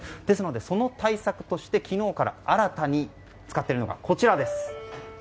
ですのでその対策として昨日から新たに使っているのがこちらです。